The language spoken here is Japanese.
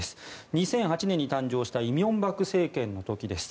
２００８年に誕生した李明博政権の時です。